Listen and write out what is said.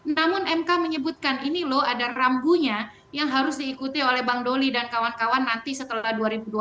namun mk menyebutkan ini loh ada rambunya yang harus diikuti oleh bang doli dan kawan kawan nanti setelah dua ribu dua puluh empat